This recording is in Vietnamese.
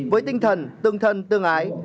với tinh thần tương thân tương ái